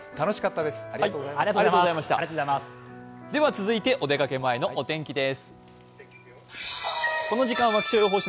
続いてお出かけ前のお天気です。